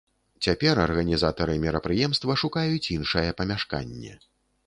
Цяпер арганізатары мерапрыемства шукаюць іншае памяшканне.